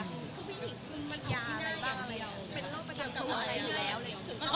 คือพี่หญิงคุณมันออกที่หน้าอย่างไรบ้างเป็นโรคประจำตัวอะไรหรือแล้ว